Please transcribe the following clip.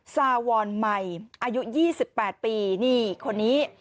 สาววัลลินอายุ๒๘ปีนี่คนนี้